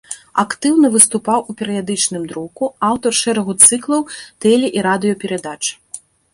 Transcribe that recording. Актыўна выступаў у перыядычным друку, аўтар шэрагу цыклаў тэле- і радыёперадач.